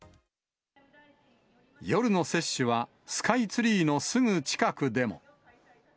夜の接種はスカイツリーのすぐ近くでも。